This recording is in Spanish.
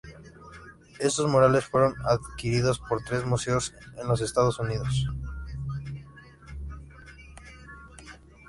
Estos murales fueron adquiridos por tres museos en los Estados Unidos.